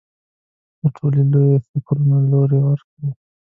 د ټولنې لویو فکرونو لوری ورکوي